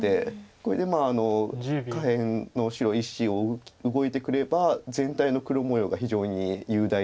これで下辺の白１子を動いてくれば全体の黒模様が非常に雄大になるということで。